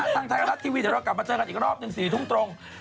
ทางไทยรัฐทีวีเดี๋ยวเรากลับมาเจอกันอีกรอบหนึ่ง๔ทุ่มตรง